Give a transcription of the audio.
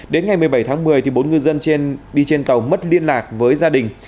đến ngày một mươi bảy tháng một mươi bốn ngư dân trên đi trên tàu mất liên lạc với gia đình